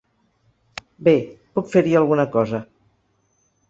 Bé, puc fer-hi alguna cosa.